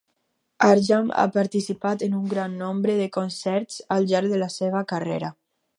Ajram ha participat en un gran nombre de concerts al llarg de la seva carrera.